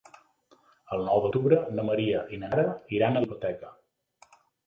El nou d'octubre na Maria i na Nara iran a la biblioteca.